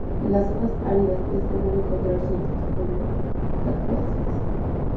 En las zonas áridas es común encontrar cierto tipo de cactáceas.